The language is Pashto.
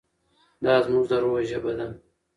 دا زموږ د روح ژبه ده.